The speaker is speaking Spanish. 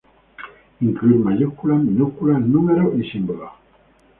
incluir mayúsculas, minúsculas, números y símbolos